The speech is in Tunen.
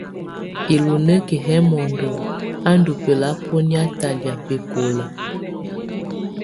Ilunǝ́ki yɛ mɔndɔ á ndù bɛlabɔnɛa talɛ̀á bɛkɔla.